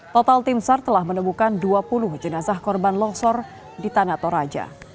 total tim sar telah menemukan dua puluh jenazah korban longsor di tanah toraja